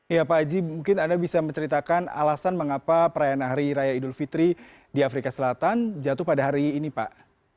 ya pak haji mungkin anda bisa menceritakan alasan mengapa perayaan hari raya idul fitri di afrika selatan jatuh pada hari ini pak